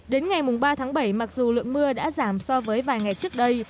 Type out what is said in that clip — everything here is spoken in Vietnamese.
đến ngày ba tháng bảy mặc dù lượng mưa đã giảm so với vài ngày trước đây